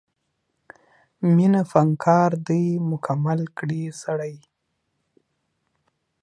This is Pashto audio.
مینه فنکار دی مکمل کړي سړی